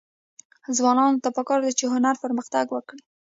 ځوانانو ته پکار ده چې، هنر پرمختګ ورکړي.